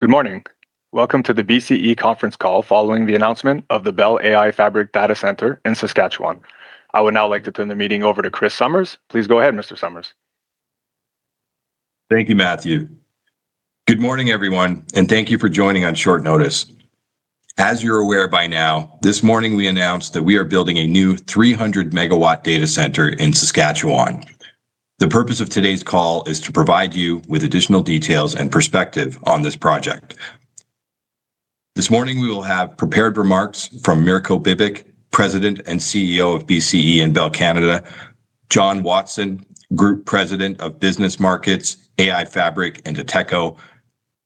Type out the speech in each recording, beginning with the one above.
Good morning. Welcome to the BCE conference call following the announcement of the Bell AI Fabric Data Center in Saskatchewan. I would now like to turn the meeting over to Kris Somers. Please go ahead, Mr. Somers. Thank you, Matthew. Good morning, everyone, and thank you for joining on short notice. As you're aware by now, this morning we announced that we are building a new 300 MW data center in Saskatchewan. The purpose of today's call is to provide you with additional details and perspective on this project. This morning we will have prepared remarks from Mirko Bibic, President and CEO of BCE and Bell Canada, John Watson, Group President of Business Markets, AI Fabric, and Ateko,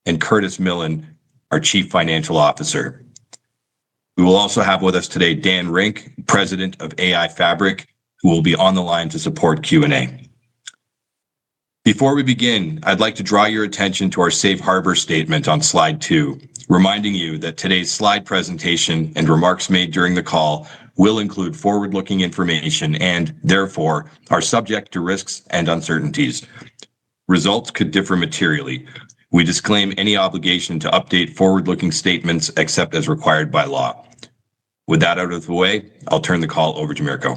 and Curtis Millen, our Chief Financial Officer. We will also have with us today Dan Rink, President of AI Fabric, who will be on the line to support Q&A. Before we begin, I'd like to draw your attention to our safe harbor statement on Slide 2, reminding you that today's slide presentation and remarks made during the call will include forward-looking information and therefore are subject to risks and uncertainties. Results could differ materially. We disclaim any obligation to update forward-looking statements except as required by law. With that out of the way, I'll turn the call over to Mirko.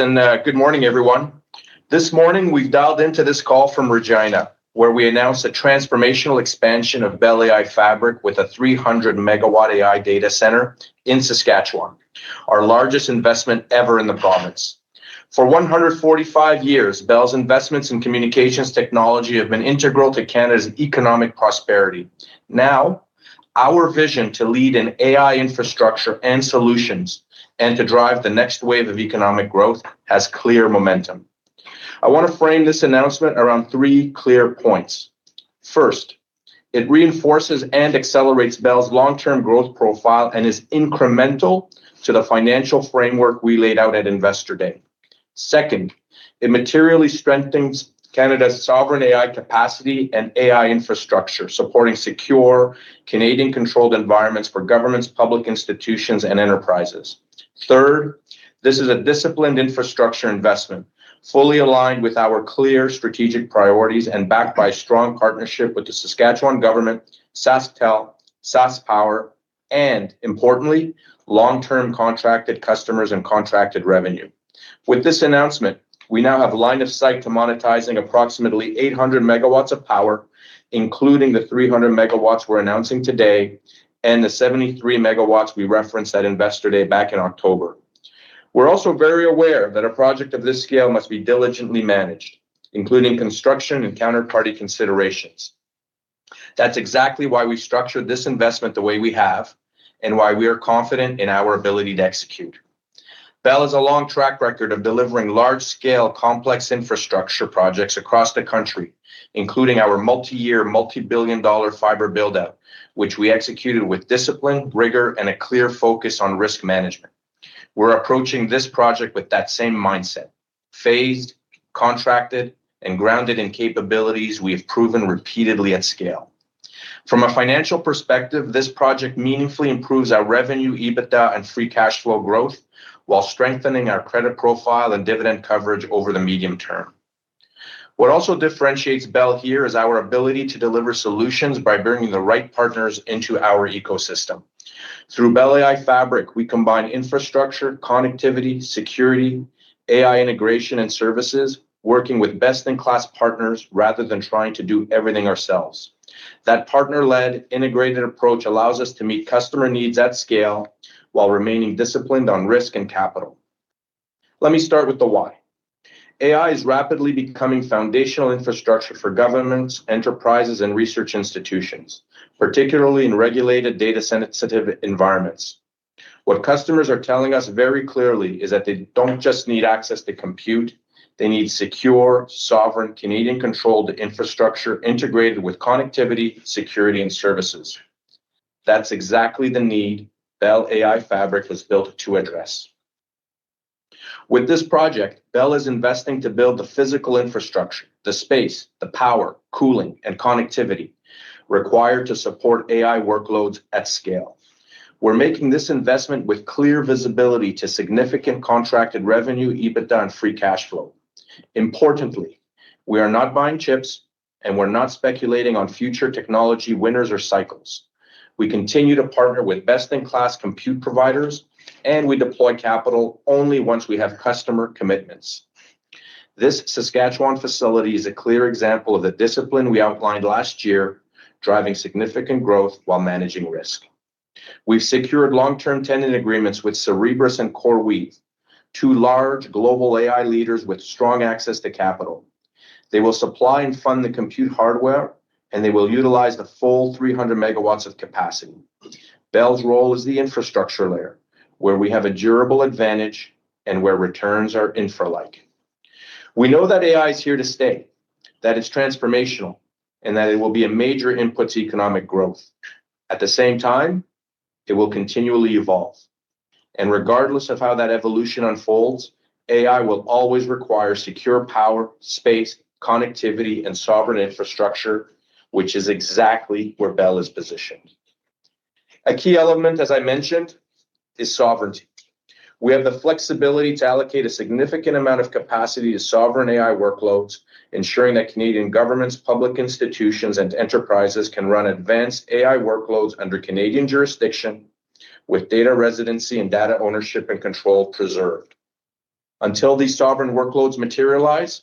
Good morning, everyone. This morning we've dialed into this call from Regina, where we announced a transformational expansion of Bell AI Fabric with a 300 MW AI data center in Saskatchewan, our largest investment ever in the province. For 145 years, Bell's investments in communications technology have been integral to Canada's economic prosperity. Now, our vision to lead in AI infrastructure and solutions and to drive the next wave of economic growth has clear momentum. I want to frame this announcement around three clear points. First, it reinforces and accelerates Bell's long-term growth profile and is incremental to the financial framework we laid out at Investor Day. Second, it materially strengthens Canada's sovereign AI capacity and AI infrastructure, supporting secure Canadian-controlled environments for governments, public institutions and enterprises. Third, this is a disciplined infrastructure investment, fully aligned with our clear strategic priorities and backed by strong partnership with the Saskatchewan Government, SaskTel, SaskPower, and importantly, long-term contracted customers and contracted revenue. With this announcement, we now have line of sight to monetizing approximately 800 MW of power, including the 300 MW we're announcing today and the 73 MW we referenced at Investor Day back in October. We're also very aware that a project of this scale must be diligently managed, including construction and counterparty considerations. That's exactly why we structured this investment the way we have and why we are confident in our ability to execute. Bell has a long track record of delivering large-scale, complex infrastructure projects across the country, including our multi-year, multi-billion dollar fiber build-out, which we executed with discipline, rigor, and a clear focus on risk management. We're approaching this project with that same mindset: phased, contracted, and grounded in capabilities we have proven repeatedly at scale. From a financial perspective, this project meaningfully improves our revenue, EBITDA, and free cash flow growth while strengthening our credit profile and dividend coverage over the medium term. What also differentiates Bell here is our ability to deliver solutions by bringing the right partners into our ecosystem. Through Bell AI Fabric, we combine infrastructure, connectivity, security, AI integration, and services, working with best-in-class partners rather than trying to do everything ourselves. That partner-led integrated approach allows us to meet customer needs at scale while remaining disciplined on risk and capital. Let me start with the why. AI is rapidly becoming foundational infrastructure for governments, enterprises, and research institutions, particularly in regulated data-sensitive environments. What customers are telling us very clearly is that they don't just need access to compute. They need secure, sovereign, Canadian-controlled infrastructure integrated with connectivity, security, and services. That's exactly the need Bell AI Fabric was built to address. With this project, Bell is investing to build the physical infrastructure, the space, the power, cooling, and connectivity required to support AI workloads at scale. We're making this investment with clear visibility to significant contracted revenue, EBITDA, and free cash flow. Importantly, we are not buying chips. And we're not speculating on future technology winners or cycles. We continue to partner with best-in-class compute providers, and we deploy capital only once we have customer commitments. This Saskatchewan facility is a clear example of the discipline we outlined last year, driving significant growth while managing risk. We've secured long-term tenant agreements with Cerebras and CoreWeave, two large global AI leaders with strong access to capital. They will supply and fund the compute hardware, and they will utilize the full 300 MW of capacity. Bell's role is the infrastructure layer, where we have a durable advantage and where returns are infra-like. We know that AI is here to stay, that it's transformational, and that it will be a major input to economic growth. At the same time, it will continually evolve. Regardless of how that evolution unfolds, AI will always require secure power, space, connectivity, and sovereign infrastructure, which is exactly where Bell is positioned. A key element, as I mentioned, is sovereignty. We have the flexibility to allocate a significant amount of capacity to sovereign AI workloads, ensuring that Canadian governments, public institutions, and enterprises can run advanced AI workloads under Canadian jurisdiction with data residency and data ownership and control preserved. Until these sovereign workloads materialize,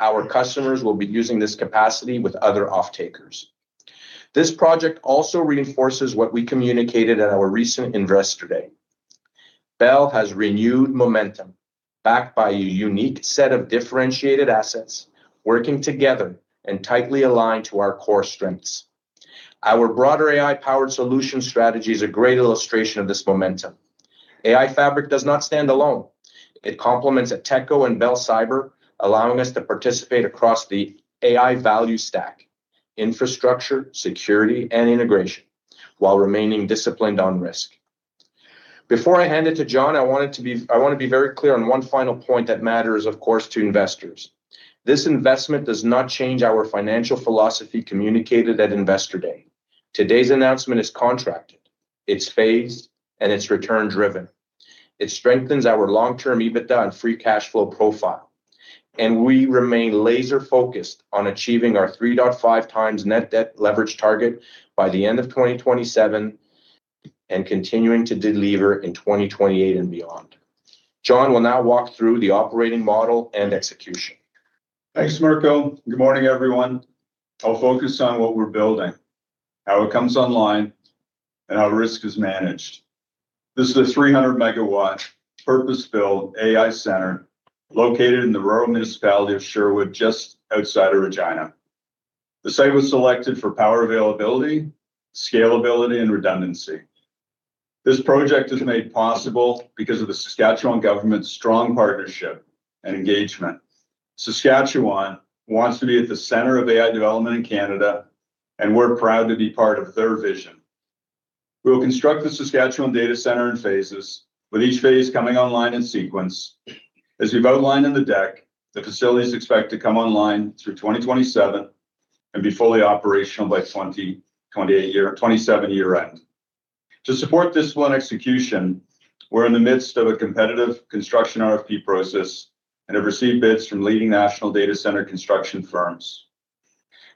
our customers will be using this capacity with other off-takers. This project also reinforces what we communicated at our recent Investor Day. Bell has renewed momentum backed by a unique set of differentiated assets working together and tightly aligned to our core strengths. Our broader AI-powered solution strategy is a great illustration of this momentum. AI Fabric does not stand alone. It complements Ateko and Bell Cyber, allowing us to participate across the AI value stack, infrastructure, security, and integration, while remaining disciplined on risk. Before I hand it to John, I want to be very clear on one final point that matters, of course, to investors. This investment does not change our financial philosophy communicated at Investor Day. Today's announcement is contracted, it's phased, and it's return-driven. It strengthens our long-term EBITDA and free cash flow profile, and we remain laser-focused on achieving our 3.5x net debt leverage target by the end of 2027 and continuing to delever in 2028 and beyond. John will now walk through the operating model and execution. Thanks, Mirko. Good morning, everyone. I'll focus on what we're building, how it comes online, and how risk is managed. This is a 300 MW purpose-built AI center located in the rural municipality of Sherwood, just outside of Regina. The site was selected for power availability, scalability, and redundancy. This project is made possible because of the Saskatchewan government's strong partnership and engagement. Saskatchewan wants to be at the center of AI development in Canada, and we're proud to be part of their vision. We will construct the Saskatchewan Data Center in phases, with each phase coming online in sequence. As we've outlined in the deck, the facility is expected to come online through 2027 and be fully operational by 2027 year-end. To support this one execution, we're in the midst of a competitive construction RFP process and have received bids from leading national data center construction firms.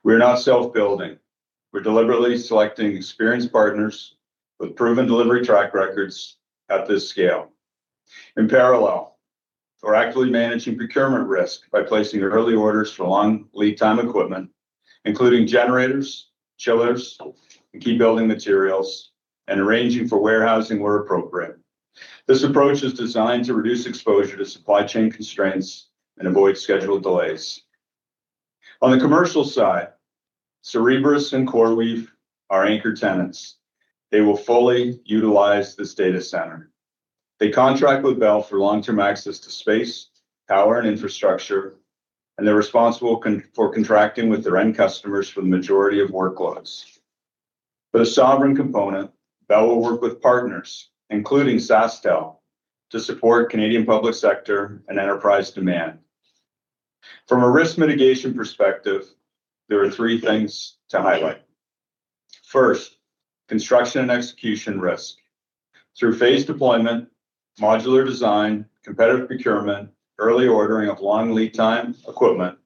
We're not self-building. We're deliberately selecting experienced partners with proven delivery track records at this scale. In parallel, we're actively managing procurement risk by placing early orders for long lead time equipment, including generators, chillers, and key building materials, and arranging for warehousing where appropriate. This approach is designed to reduce exposure to supply chain constraints and avoid scheduled delays. On the commercial side, Cerebras and CoreWeave are anchor tenants. They will fully utilize this data center. They contract with Bell for long-term access to space, power, and infrastructure, and they're responsible for contracting with their end customers for the majority of workloads. For the sovereign component, Bell will work with partners, including SaskTel, to support Canadian public sector and enterprise demand. From a risk mitigation perspective, there are three things to highlight. First, construction and execution risk. Through phased deployment, modular design, competitive procurement, early ordering of long lead time equipment,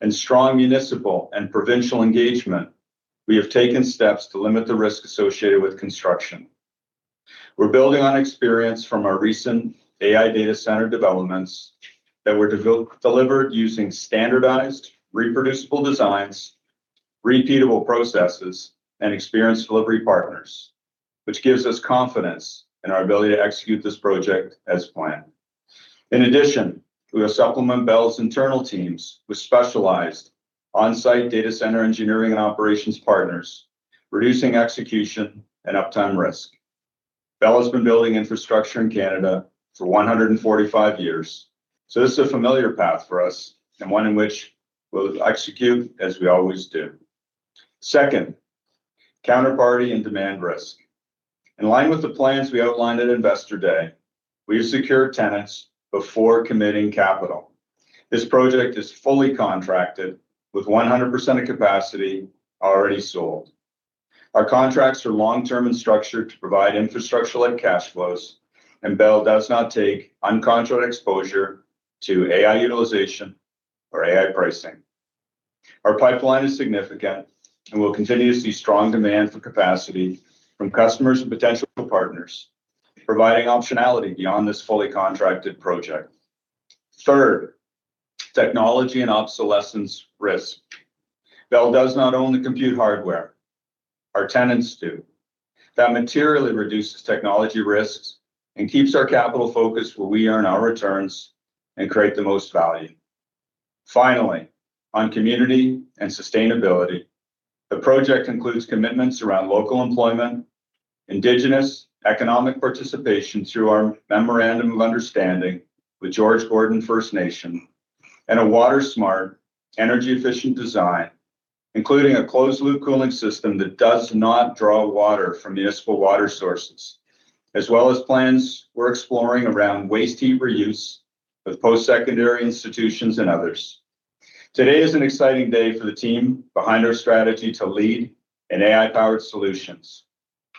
and strong municipal and provincial engagement, we have taken steps to limit the risk associated with construction. We're building on experience from our recent AI data center developments that were delivered using standardized reproducible designs, repeatable processes, and experienced delivery partners, which gives us confidence in our ability to execute this project as planned. In addition, we will supplement Bell's internal teams with specialized on-site data center engineering and operations partners, reducing execution and uptime risk. Bell has been building infrastructure in Canada for 145 years, so this is a familiar path for us and one in which we'll execute as we always do. Second, counterparty and demand risk. In line with the plans we outlined at Investor Day, we have secured tenants before committing capital. This project is fully contracted with 100% of capacity already sold. Our contracts are long-term and structured to provide infrastructure-like cash flows, and Bell does not take uncontrolled exposure to AI utilization or AI pricing. Our pipeline is significant, and we'll continue to see strong demand for capacity from customers and potential partners, providing optionality beyond this fully contracted project. Third, technology and obsolescence risk. Bell does not own the compute hardware, our tenants do. That materially reduces technology risks and keeps our capital focus where we earn our returns and create the most value. Finally, on community and sustainability, the project includes commitments around local employment, Indigenous economic participation through our memorandum of understanding with George Gordon First Nation, and a water-smart, energy-efficient design, including a closed-loop cooling system that does not draw water from municipal water sources, as well as plans we're exploring around waste heat reuse with post-secondary institutions and others. Today is an exciting day for the team behind our strategy to lead in AI-powered solutions.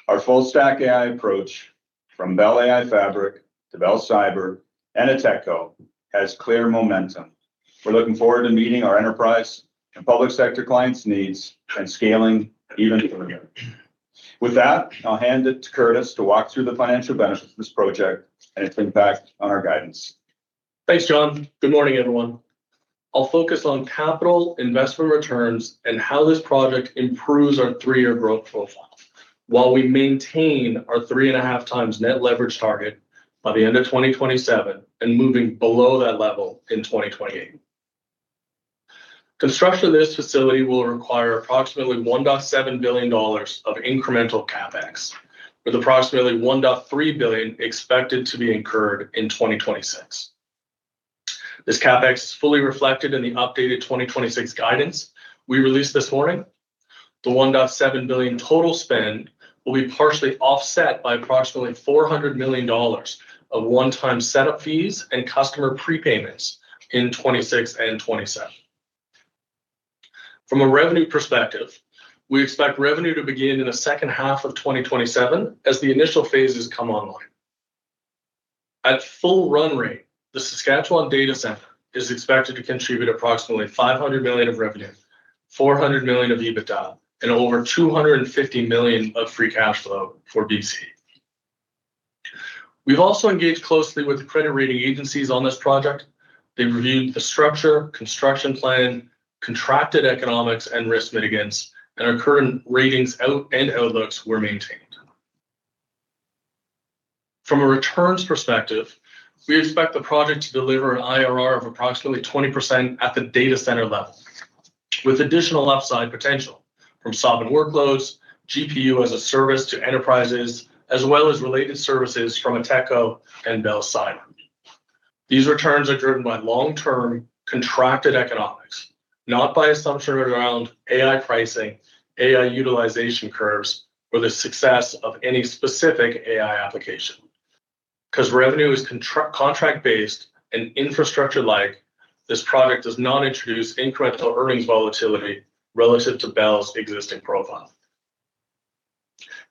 Our full-stack AI approach from Bell AI Fabric to Bell Cyber and Ateko has clear momentum. We're looking forward to meeting our enterprise and public sector clients' needs and scaling even further. With that, I'll hand it to Curtis to walk through the financial benefits of this project and its impact on our guidance. Thanks, John. Good morning, everyone. I'll focus on capital investment returns and how this project improves our 3-year growth profile while we maintain our 3.5x net leverage target by the end of 2027 and moving below that level in 2028. Construction of this facility will require approximately 1.7 billion dollars of incremental CapEx, with approximately 1.3 billion expected to be incurred in 2026. This CapEx is fully reflected in the updated 2026 guidance we released this morning. The 1.7 billion total spend will be partially offset by approximately 400 million dollars of one-time setup fees and customer prepayments in 2026 and 2027. From a revenue perspective, we expect revenue to begin in the second half of 2027 as the initial phases come online. At full run rate, the Saskatchewan data center is expected to contribute approximately 500 million of revenue, 400 million of EBITDA, and over 250 million of free cash flow for BC. We've also engaged closely with the credit rating agencies on this project. They've reviewed the structure, construction plan, contracted economics, and risk mitigants, and our current ratings and outlooks were maintained. From a returns perspective, we expect the project to deliver an IRR of approximately 20% at the data center level, with additional upside potential from sovereign workloads, GPU as a service to enterprises, as well as related services from Ateko and Bell Cyber. These returns are driven by long-term contracted economics, not by assumption around AI pricing, AI utilization curves, or the success of any specific AI application. Because revenue is contract based and infrastructure like, this project does not introduce incremental earnings volatility relative to Bell's existing profile.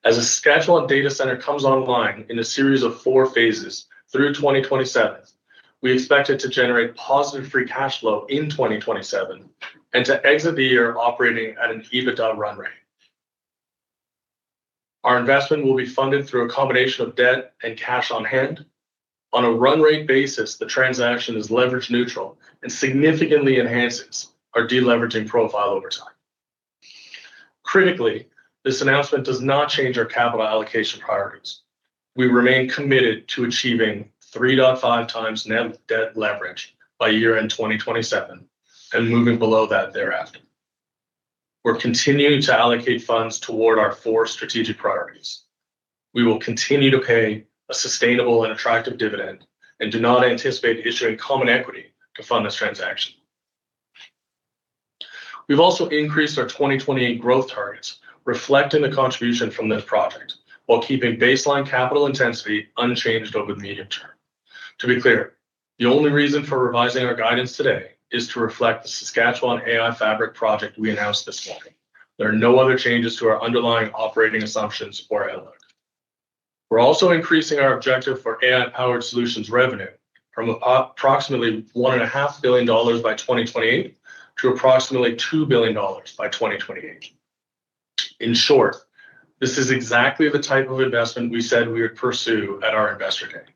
As the Saskatchewan data center comes online in a series of four phases through 2027, we expect it to generate positive free cash flow in 2027 and to exit the year operating at an EBITDA run rate. Our investment will be funded through a combination of debt and cash on hand. On a run rate basis, the transaction is leverage neutral and significantly enhances our deleveraging profile over time. Critically, this announcement does not change our capital allocation priorities. We remain committed to achieving 3.5x net debt leverage by year-end 2027 and moving below that thereafter. We're continuing to allocate funds toward our four strategic priorities. We will continue to pay a sustainable and attractive dividend and do not anticipate issuing common equity to fund this transaction. We've also increased our 2028 growth targets, reflecting the contribution from this project while keeping baseline capital intensity unchanged over the medium term. To be clear, the only reason for revising our guidance today is to reflect the Saskatchewan AI Fabric project we announced this morning. There are no other changes to our underlying operating assumptions or outlook. We're also increasing our objective for AI-powered solutions revenue from approximately 1.5 billion dollars by 2028 to approximately 2 billion dollars by 2028. In short, this is exactly the type of investment we said we would pursue at our Investor Day.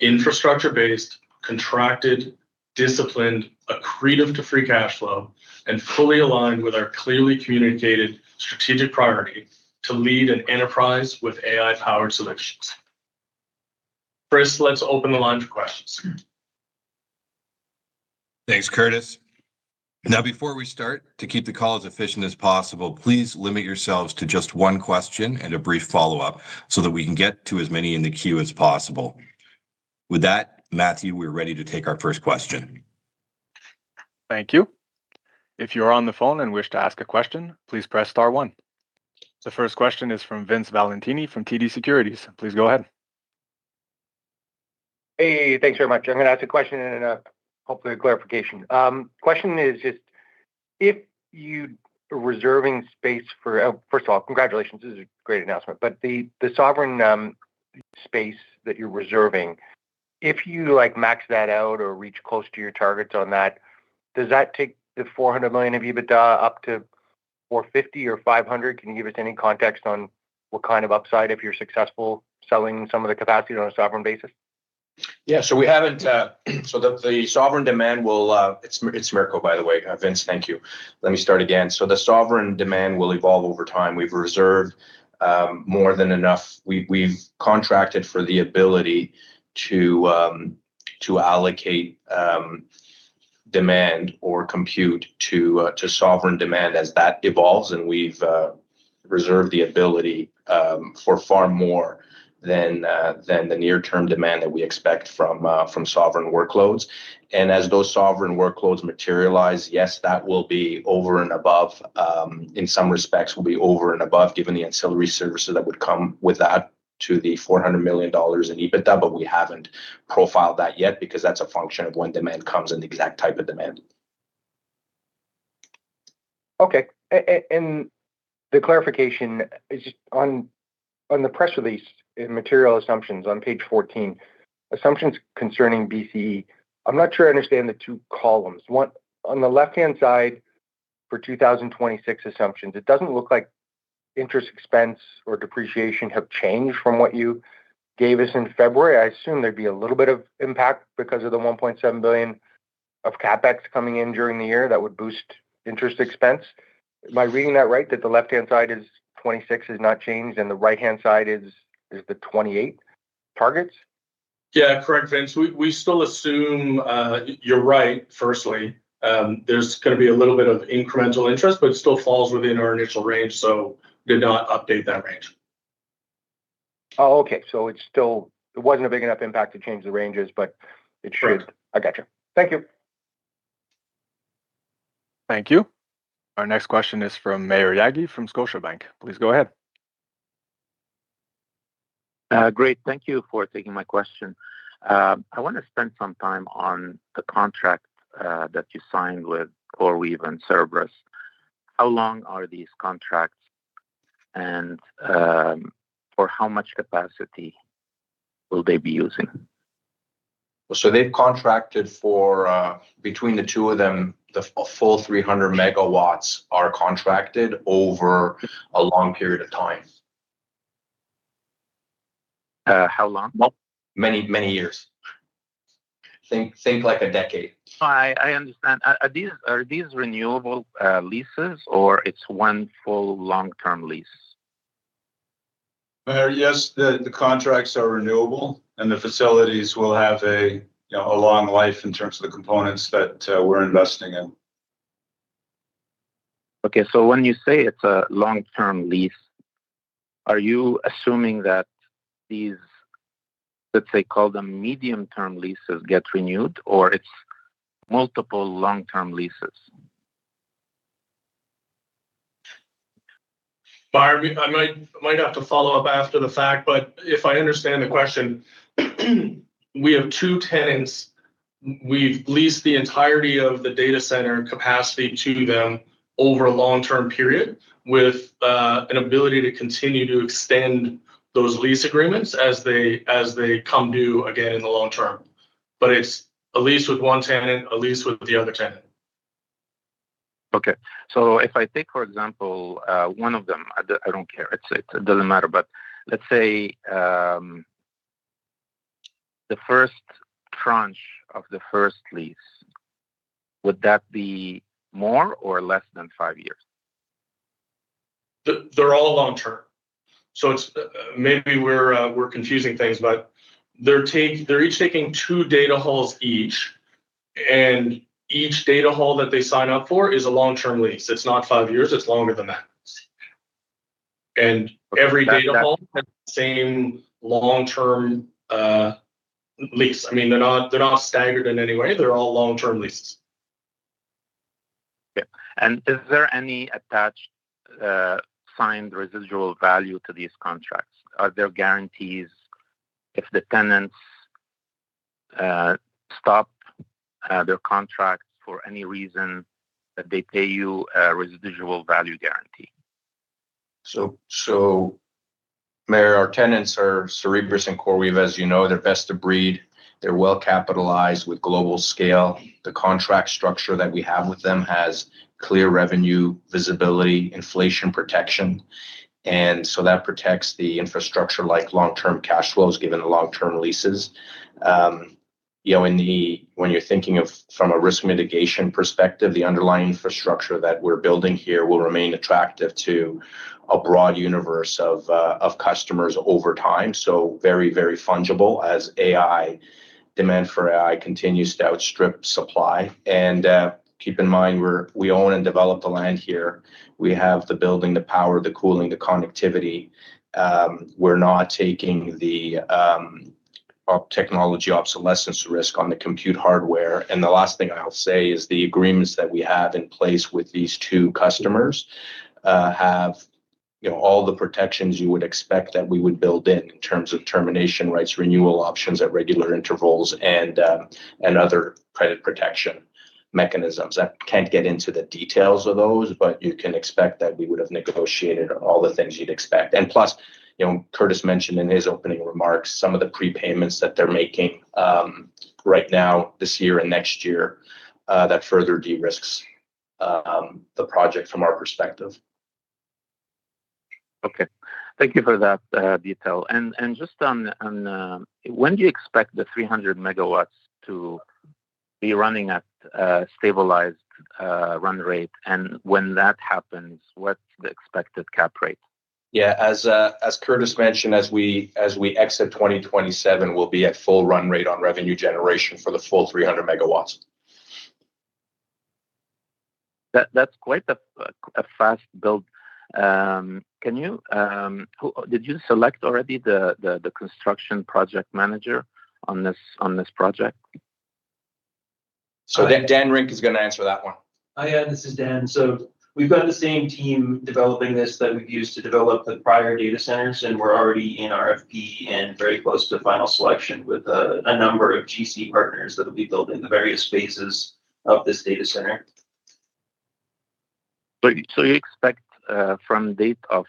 Infrastructure based, contracted, disciplined, accretive to free cash flow, and fully aligned with our clearly communicated strategic priority to lead an enterprise with AI-powered solutions. Kris, let's open the line for questions. Thanks, Curtis. Now, before we start, to keep the call as efficient as possible, please limit yourselves to just one question and a brief follow-up so that we can get to as many in the queue as possible. With that, Matthew, we're ready to take our first question. Thank you. If you are on the phone and wish to ask a question, please press star one. The first question is from Vince Valentini from TD Securities. Please go ahead. Hey, thanks very much. I'm gonna ask a question and then hopefully a clarification. Question is just if you are reserving space for... First of all, congratulations. This is a great announcement. The sovereign space that you're reserving, if you like max that out or reach close to your targets on that, does that take the 400 million of EBITDA up to 450 million or 500 million? Can you give us any context on what kind of upside if you're successful selling some of the capacity on a sovereign basis? It's Mirko by the way. Vince, thank you. Let me start again. The sovereign demand will evolve over time. We've reserved more than enough. We've contracted for the ability to allocate demand or compute to sovereign demand as that evolves. We've reserved the ability for far more than the near-term demand that we expect from sovereign workloads. As those sovereign workloads materialize, yes, that will be over and above. In some respects it will be over and above, given the ancillary services that would come with that to the 400 million dollars in EBITDA. We haven't profiled that yet because that's a function of when demand comes and the exact type of demand. Okay. The clarification is just on the press release in material assumptions on page 14, assumptions concerning BCE. I'm not sure I understand the two columns. One, on the left-hand side for 2026 assumptions, it doesn't look like interest expense or depreciation have changed from what you gave us in February. I assume there'd be a little bit of impact because of the 1.7 billion of CapEx coming in during the year that would boost interest expense. Am I reading that right, that the left-hand side is 2026 not changed and the right-hand side is the 2028 targets? Yeah. Correct, Vince. We still assume you're right, firstly. There's gonna be a little bit of incremental interest, but it still falls within our initial range, so did not update that range. Okay. It's still. It wasn't a big enough impact to change the ranges, but it should- Right. I gotcha. Thank you. Thank you. Our next question is from Maher Yaghi from Scotiabank. Please go ahead. Great. Thank you for taking my question. I wanna spend some time on the contract that you signed with CoreWeave and Cerebras. How long are these contracts and for how much capacity will they be using? They've contracted for, between the two of them, the full 300 MW are contracted over a long period of time. How long? Many years. Think like a decade. I understand. Are these renewable leases or it's one full long-term lease? Maher, yes, the contracts are renewable, and the facilities will have a, you know, a long life in terms of the components that we're investing in. Okay. When you say it's a long-term lease, are you assuming that these, let's say, call them medium-term leases get renewed or it's multiple long-term leases? Maher, I might have to follow up after the fact, but if I understand the question, we have two tenants. We've leased the entirety of the data center capacity to them over a long-term period with an ability to continue to extend those lease agreements as they come due again in the long term. It's a lease with one tenant, a lease with the other tenant. If I take, for example, one of them, I don't care. It doesn't matter, but let's say, the first tranche of the first lease, would that be more or less than five years? They're all long term. So it's maybe we're confusing things, but they're each taking two data halls each, and each data hall that they sign up for is a long-term lease. It's not five years, it's longer than that. Every data hall- That has the same long-term lease. I mean, they're not staggered in any way. They're all long-term leases. Yeah. Is there any attached, signed residual value to these contracts? Are there guarantees if the tenants stop their contracts for any reason that they pay you a residual value guarantee? Maher, our tenants are Cerebras and CoreWeave, as you know. They're best of breed. They're well capitalized with global scale. The contract structure that we have with them has clear revenue visibility, inflation protection, and that protects the infrastructure like long-term cash flows given the long-term leases. From a risk mitigation perspective, the underlying infrastructure that we're building here will remain attractive to a broad universe of customers over time, so very fungible as AI demand for AI continues to outstrip supply. Keep in mind, we own and develop the land here. We have the building, the power, the cooling, the connectivity. We're not taking the technology obsolescence risk on the compute hardware. The last thing I'll say is the agreements that we have in place with these two customers. You know, all the protections you would expect that we would build in terms of termination rights, renewal options at regular intervals, and other credit protection mechanisms. I can't get into the details of those, but you can expect that we would've negotiated all the things you'd expect. Plus, you know, Curtis mentioned in his opening remarks some of the prepayments that they're making right now, this year and next year, that further de-risks the project from our perspective. Okay. Thank you for that, detail. Just on when do you expect the 300 MW to be running at a stabilized run rate? When that happens, what's the expected cap rate? Yeah. As Curtis mentioned, as we exit 2027, we'll be at full run rate on revenue generation for the full 300 MW. That's quite a fast build. Did you select already the construction project manager on this project? Dan Rink is gonna answer that one. Oh, yeah. This is Dan Rink. We've got the same team developing this that we've used to develop the prior data centers, and we're already in RFP and very close to final selection with a number of GC partners that'll be building the various phases of this data center. You expect from date of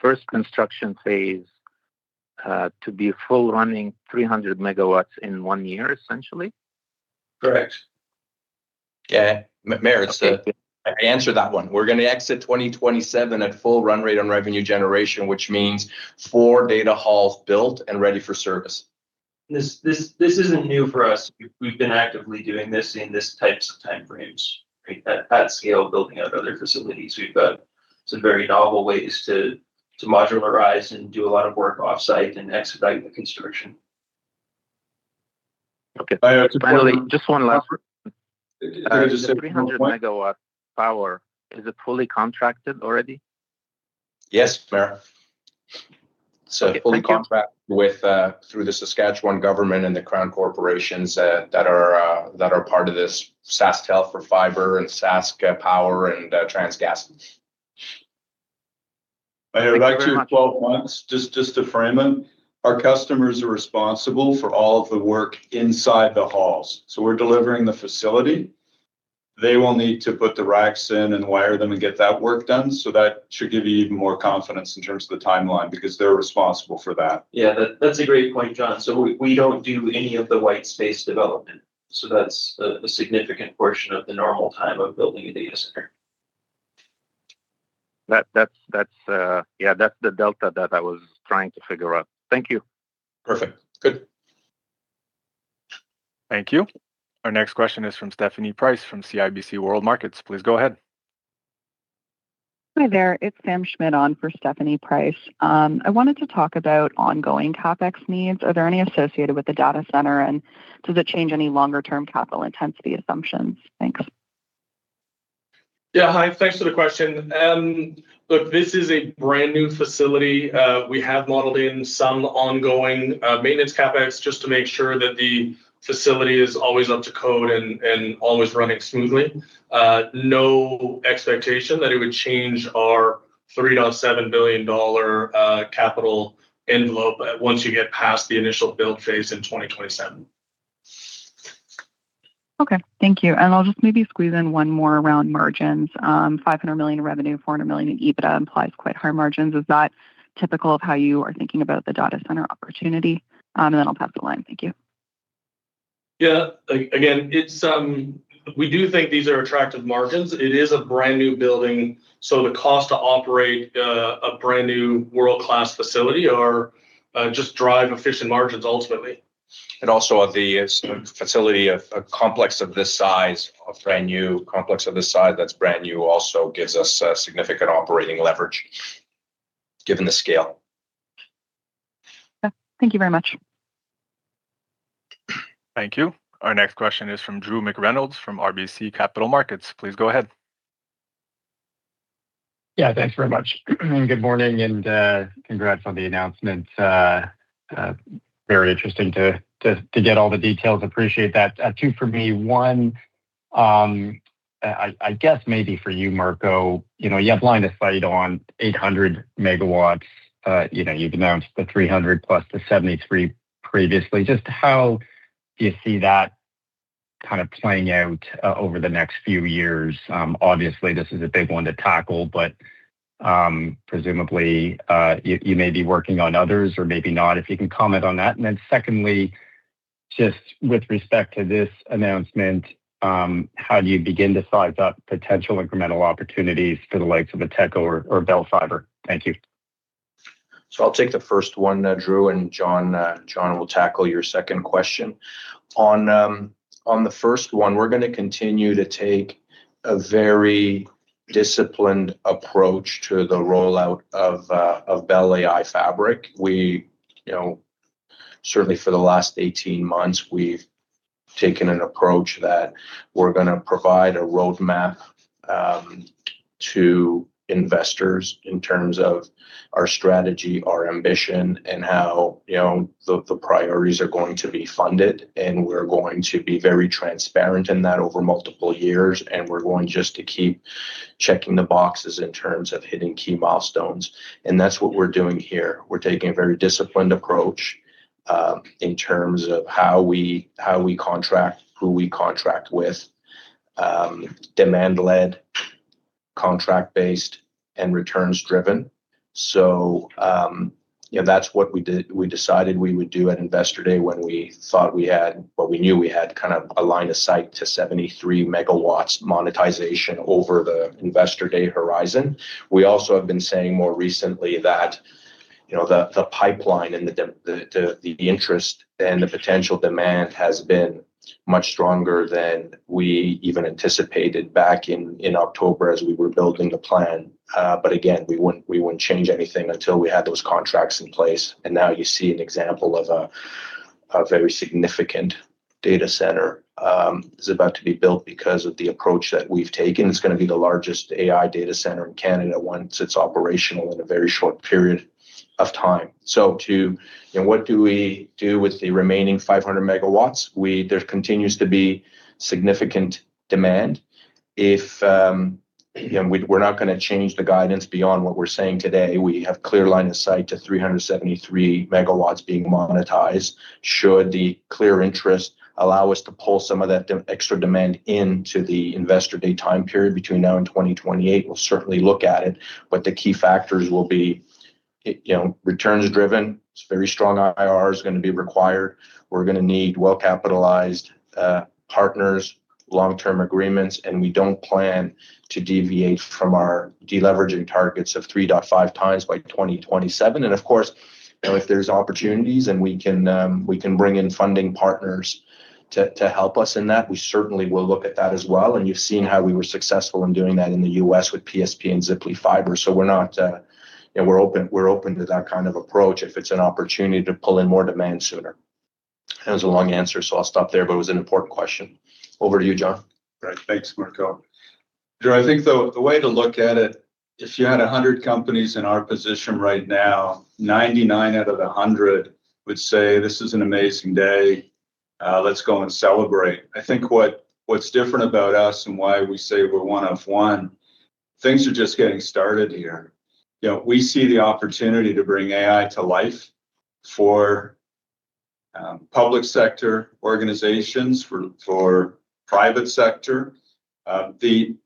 first construction phase to be full running 300 MW in one year, essentially? Correct. Yeah. Maher, it's Okay. I answered that one. We're gonna exit 2027 at full run rate on revenue generation, which means 4 data halls built and ready for service. This isn't new for us. We've been actively doing this in these types of time frames, right? At scale, building out other facilities. We've got some very novel ways to modularize and do a lot of work off-site and expedite the construction. Okay. I, uh- Finally, just one last. Go ahead. Uh- Can I just say one more point? The 300 MW power, is it fully contracted already? Yes, Maher. Okay. Thank you. Fully contracted with through the Saskatchewan government and the Crown corporations that are part of this. SaskTel for fiber and SaskPower and TransGas. I hear back to- Thank you very much. 12 months, just to frame it, our customers are responsible for all of the work inside the halls. We're delivering the facility. They will need to put the racks in and wire them and get that work done. That should give you even more confidence in terms of the timeline, because they're responsible for that. Yeah. That's a great point, John. We don't do any of the white space development. That's a significant portion of the normal time of building a data center. Yeah, that's the delta that I was trying to figure out. Thank you. Perfect. Good. Thank you. Our next question is from Stephanie Price from CIBC World Markets. Please go ahead. Hi there. It's Sam Schmidt on for Stephanie Price. I wanted to talk about ongoing CapEx needs. Are there any associated with the data center, and does it change any longer term capital intensity assumptions? Thanks. Yeah. Hi. Thanks for the question. Look, this is a brand-new facility. We have modeled in some ongoing maintenance CapEx, just to make sure that the facility is always up to code and always running smoothly. No expectation that it would change our 3 billion-7 billion dollar capital envelope once you get past the initial build phase in 2027. Okay. Thank you. I'll just maybe squeeze in one more around margins. 500 million revenue, 400 million in EBITDA implies quite high margins. Is that typical of how you are thinking about the data center opportunity? Then I'll pass the line. Thank you. Yeah. Again, it's. We do think these are attractive margins. It is a brand-new building, so the cost to operate a brand-new world-class facility are just drive efficient margins ultimately. Also at this facility or brand-new complex of this size that's brand new, also gives us significant operating leverage given the scale. Yeah. Thank you very much. Thank you. Our next question is from Drew McReynolds from RBC Capital Markets. Please go ahead. Yeah. Thanks very much. Good morning, and, congrats on the announcement. Very interesting to get all the details. Appreciate that. Two for me. One, I guess maybe for you, Mirko, you know, you have line of sight on 800 MW. You know, you've announced the 300 MW plus the 73 MW previously. Just how do you see that kind of playing out over the next few years? Obviously, this is a big one to tackle, but, presumably, you may be working on others or maybe not. If you can comment on that. Then secondly, just with respect to this announcement, how do you begin to size up potential incremental opportunities for the likes of Ateko or Bell Fiber? Thank you. I'll take the first one, Drew, and John will tackle your second question. On the first one, we're gonna continue to take a very disciplined approach to the rollout of Bell AI Fabric. You know, certainly for the last 18 months, we've taken an approach that we're gonna provide a roadmap to investors in terms of our strategy, our ambition, and how the priorities are going to be funded, and we're going just to keep checking the boxes in terms of hitting key milestones. That's what we're doing here. We're taking a very disciplined approach in terms of how we contract, who we contract with, demand-led, contract-based, and returns-driven. you know, that's what we decided we would do at Investor Day when we thought we had. Well, we knew we had kind of a line of sight to 73 MW monetization over the Investor Day horizon. We also have been saying more recently that, you know, the pipeline and the interest and the potential demand has been much stronger than we even anticipated back in October as we were building the plan. But again, we wouldn't change anything until we had those contracts in place. Now you see an example of a very significant data center is about to be built because of the approach that we've taken. It's gonna be the largest AI data center in Canada once it's operational in a very short period of time. You know, what do we do with the remaining 500 MW? There continues to be significant demand. If, you know, we're not gonna change the guidance beyond what we're saying today. We have clear line of sight to 373 MW being monetized. Should the clear interest allow us to pull some of that extra demand into the Investor Day time period between now and 2028, we'll certainly look at it. The key factors will be, you know, returns-driven. It's very strong IRR is gonna be required. We're gonna need well-capitalized partners, long-term agreements, and we don't plan to deviate from our deleveraging targets of 3.5x by 2027. Of course, you know, if there's opportunities and we can bring in funding partners to help us in that, we certainly will look at that as well. You've seen how we were successful in doing that in the U.S. with PSP and Ziply Fiber. You know, we're open to that kind of approach if it's an opportunity to pull in more demand sooner. That was a long answer, so I'll stop there, but it was an important question. Over to you, John. Great. Thanks, Mirko. Drew, I think the way to look at it, if you had 100 companies in our position right now, 99 out of the 100 would say, "This is an amazing day. Let's go and celebrate." I think what's different about us and why we say we're one of one, things are just getting started here. You know, we see the opportunity to bring AI to life for public sector organizations, for private sector. The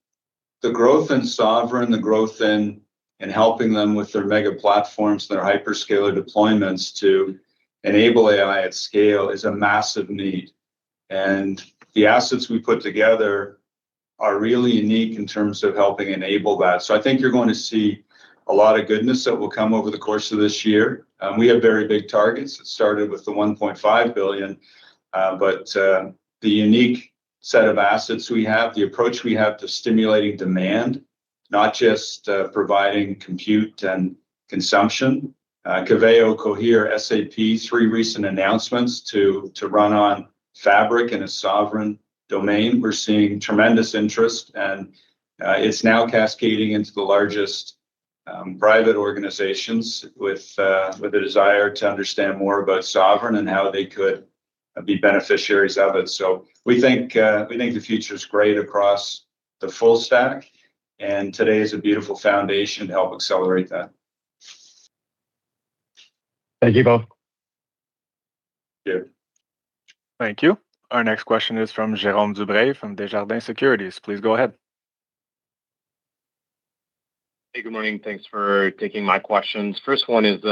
growth in sovereign, the growth in helping them with their mega platforms, their hyperscaler deployments to enable AI at scale is a massive need. The assets we put together are really unique in terms of helping enable that. I think you're going to see a lot of goodness that will come over the course of this year. We have very big targets. It started with the 1.5 billion. The unique set of assets we have, the approach we have to stimulating demand, not just providing compute and consumption. Coveo, Cohere, SAP, three recent announcements to run on Fabric in a sovereign domain. We're seeing tremendous interest, and it's now cascading into the largest private organizations with a desire to understand more about sovereign and how they could be beneficiaries of it. We think the future is great across the full stack, and today is a beautiful foundation to help accelerate that. Thank you both. Yeah. Thank you. Our next question is from Jerome Dubreuil from Desjardins Securities. Please go ahead. Hey, good morning. Thanks for taking my questions. First one is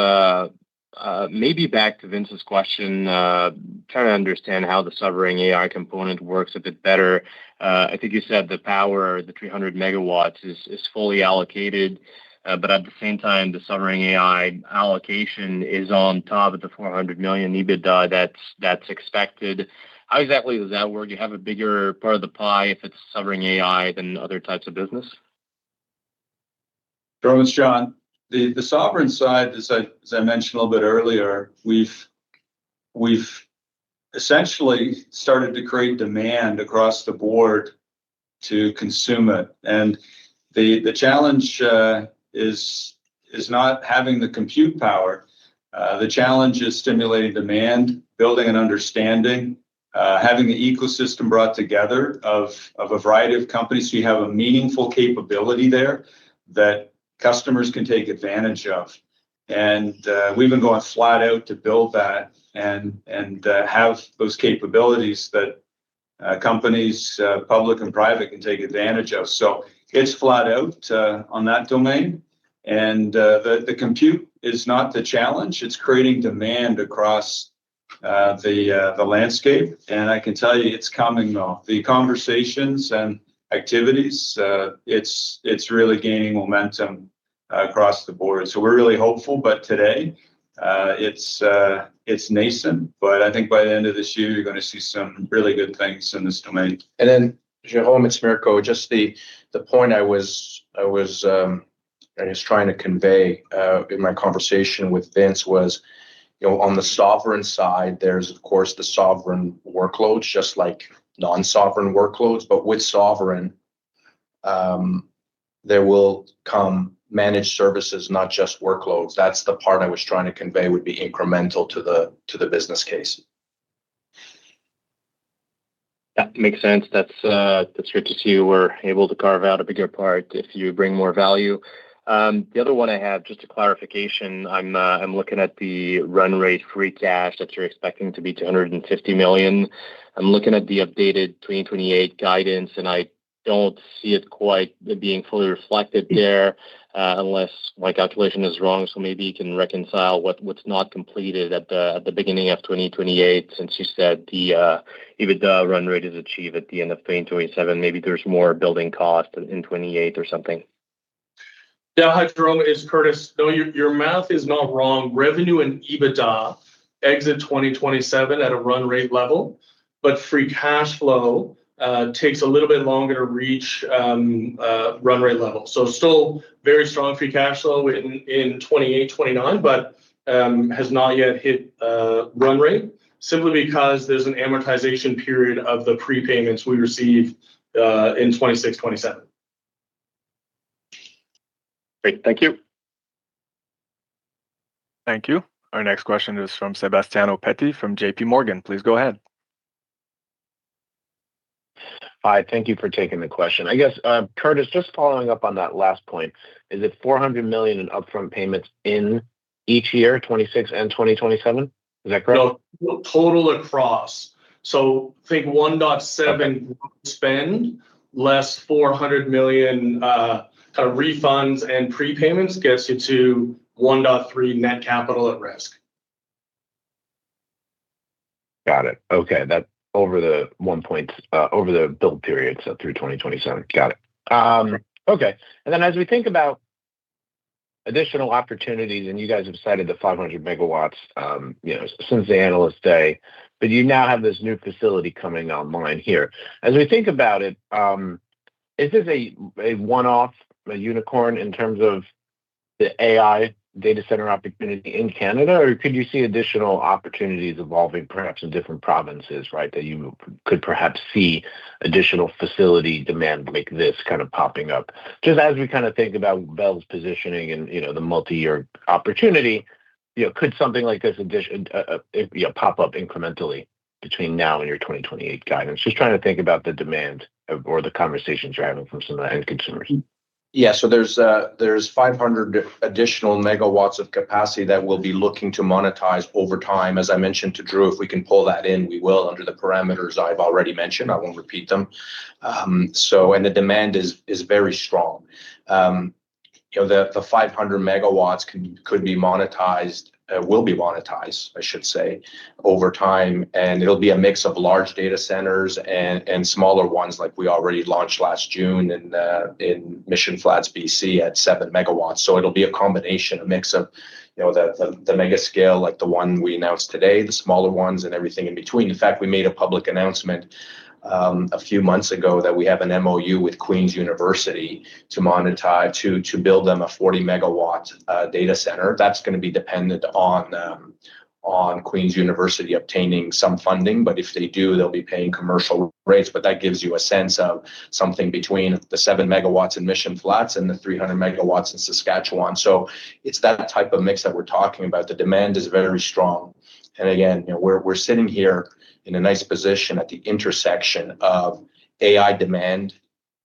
maybe back to Vince's question. Trying to understand how the sovereign AI component works a bit better. I think you said the power, the 300 MW is fully allocated, but at the same time, the sovereign AI allocation is on top of the 400 million EBITDA that's expected. How exactly does that work? Do you have a bigger part of the pie if it's sovereign AI than other types of business? Jerome, it's John. The sovereign side, as I mentioned a little bit earlier, we've essentially started to create demand across the board to consume it. The challenge is not having the compute power. The challenge is stimulating demand, building an understanding, having the ecosystem brought together of a variety of companies, so you have a meaningful capability there that customers can take advantage of. We've been going flat out to build that and have those capabilities that companies, public and private can take advantage of. It's flat out on that domain. The compute is not the challenge. It's creating demand across the landscape. I can tell you it's coming though. The conversations and activities, it's really gaining momentum across the board. We're really hopeful. Today, it's nascent. I think by the end of this year, you're gonna see some really good things in this domain. Jerome, it's Mirko. Just the point I was trying to convey in my conversation with Vince was you know, on the sovereign side, there's of course the sovereign workloads, just like non-sovereign workloads. With sovereign, there will come managed services, not just workloads. That's the part I was trying to convey would be incremental to the business case. That makes sense. That's great to see you were able to carve out a bigger part if you bring more value. The other one I have, just a clarification. I'm looking at the run rate free cash that you're expecting to be 250 million. I'm looking at the updated 2028 guidance, and I don't see it quite being fully reflected there, unless my calculation is wrong. Maybe you can reconcile what's not completed at the beginning of 2028 since you said the EBITDA run rate is achieved at the end of 2027. Maybe there's more building cost in 2028 or something. Yeah. Hi, Jerome. It's Curtis. No, your math is not wrong. Revenue and EBITDA exit 2027 at a run rate level, but free cash flow takes a little bit longer to reach run rate level. Still very strong free cash flow in 2028, 2029, but has not yet hit run rate simply because there's an amortization period of the prepayments we receive in 2026, 2027. Great. Thank you. Thank you. Our next question is from Sebastiano Petti from J.P. Morgan. Please go ahead. Hi. Thank you for taking the question. I guess, Curtis, just following up on that last point. Is it 400 million in upfront payments in each year, 2026 and 2027? Is that correct? No. Total across. Take 1.7 billion spend less 400 million, refunds and prepayments gets you to 1.3 billion net capital at risk. Got it. Okay. That's over the 1 point over the build period, so through 2027. Got it. Okay. Then as we think about additional opportunities, and you guys have cited the 500 MW, you know, since the Analyst Day, but you now have this new facility coming online here. As we think about it, is this a one-off, a unicorn in terms of the AI data center opportunity in Canada? Or could you see additional opportunities evolving, perhaps in different provinces, right? That you could perhaps see additional facility demand like this kind of popping up. Just as we kinda think about Bell's positioning and, you know, the multi-year opportunity, you know, could something like this pop up incrementally between now and your 2028 guidance? Just trying to think about the demand or the conversations you're having from some of the end consumers. Yeah. There's 500 MW of capacity that we'll be looking to monetize over time. As I mentioned to Drew, if we can pull that in, we will under the parameters I've already mentioned. I won't repeat them. The demand is very strong. You know, the 500 MW will be monetized, I should say, over time, and it'll be a mix of large data centers and smaller ones like we already launched last June in Mission Flats, BC at 7 MW. It'll be a combination, a mix of, you know, the mega scale like the one we announced today, the smaller ones and everything in between. In fact, we made a public announcement a few months ago that we have an MOU with Queen's University to build them a 40 MWt data center. That's gonna be dependent on Queen's University obtaining some funding. If they do, they'll be paying commercial rates, but that gives you a sense of something between the 7 MW in Mission Flats and the 300 MW in Saskatchewan. It's that type of mix that we're talking about. The demand is very strong. Again, you know, we're sitting here in a nice position at the intersection of AI demand,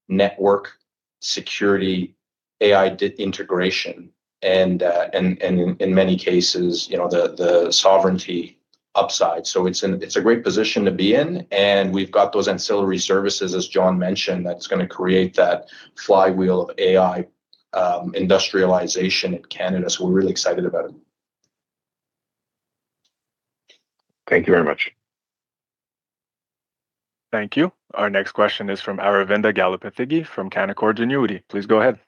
network security, AI integration, and in many cases, you know, the sovereignty upside. It's a great position to be in, and we've got those ancillary services, as John mentioned, that's gonna create that flywheel of AI industrialization in Canada. We're really excited about it. Thank you very much. Thank you. Our next question is from Aravinda Galappatthige from Canaccord Genuity. Please go ahead.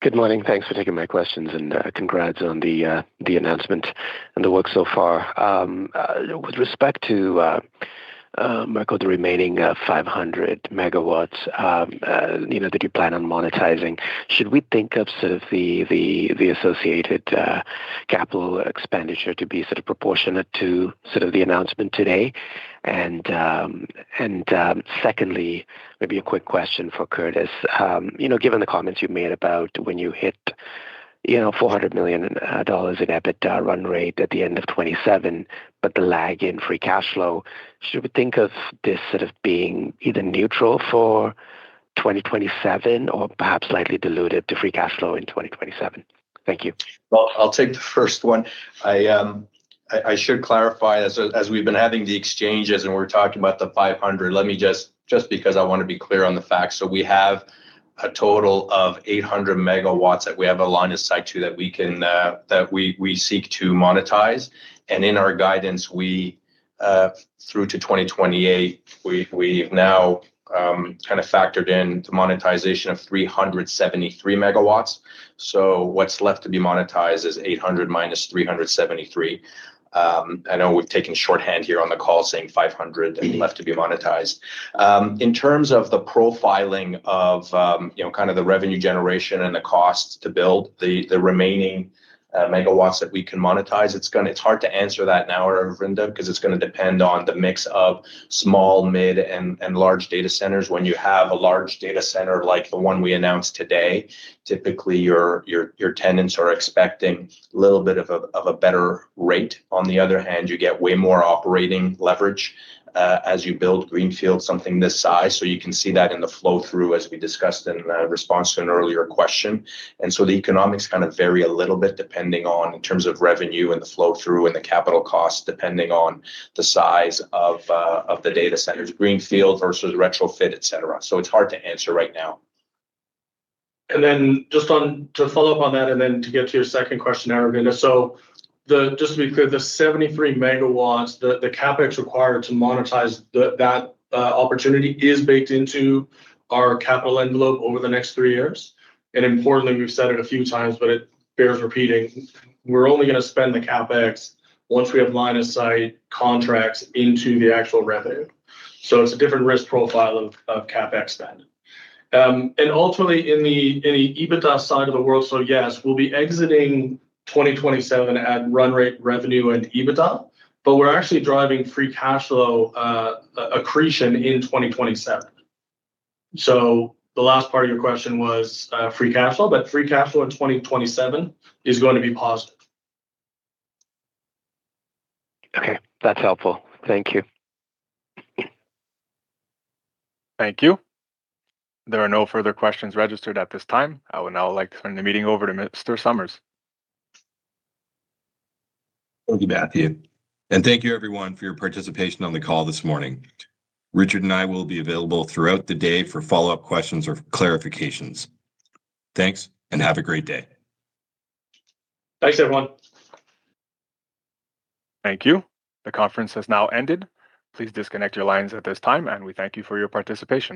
Good morning. Thanks for taking my questions, and congrats on the announcement and the work so far. With respect to Mirko, the remaining 500 MW, you know, that you plan on monetizing, should we think of sort of the associated capital expenditure to be sort of proportionate to sort of the announcement today? Secondly, maybe a quick question for Curtis. You know, given the comments you made about when you hit, you know, 400 million dollars in EBITDA run rate at the end of 2027, but the lag in free cash flow, should we think of this sort of being either neutral for 2027 or perhaps slightly diluted to free cash flow in 2027? Thank you. Well, I'll take the first one. I should clarify as we've been having the exchanges and we're talking about the 500 MW, let me just because I want to be clear on the facts. We have a total of 800 MW that we have aligned aside to that we can seek to monetize. In our guidance, through to 2028. We've now kind of factored in the monetization of 373 MW. What's left to be monetized is 800 MW minus 373 MW. I know we've taken shorthand here on the call saying 500 MW left to be monetized. In terms of the profiling of, you know, kind of the revenue generation and the cost to build the remaining megawatts that we can monetize, it's hard to answer that now, Aravinda, 'cause it's gonna depend on the mix of small, mid, and large data centers. When you have a large data center like the one we announced today, typically your tenants are expecting a little bit of a better rate. On the other hand, you get way more operating leverage as you build greenfield something this size. You can see that in the flow through as we discussed in a response to an earlier question. The economics kind of vary a little bit depending on, in terms of revenue and the flow through and the capital costs, depending on the size of the data centers, greenfield versus retrofit, et cetera. It's hard to answer right now. To follow up on that and then to get to your second question, Aravinda. Just to be clear, the 73 MW, the CapEx required to monetize that opportunity is baked into our capital envelope over the next three years. Importantly, we've said it a few times, but it bears repeating, we're only gonna spend the CapEx once we have line of sight contracts into the actual revenue. It's a different risk profile of CapEx spend. Ultimately in the EBITDA side of the world, yes, we'll be exiting 2027 at run rate revenue and EBITDA, but we're actually driving free cash flow accretion in 2027. The last part of your question was free cash flow, but free cash flow in 2027 is going to be positive. Okay, that's helpful. Thank you. Thank you. There are no further questions registered at this time. I would now like to turn the meeting over to Mr. Somers. Thank you, Matthew. Thank you everyone for your participation on the call this morning. Richard and I will be available throughout the day for follow-up questions or clarifications. Thanks, and have a great day. Thanks, everyone. Thank you. The conference has now ended. Please disconnect your lines at this time, and we thank you for your participation.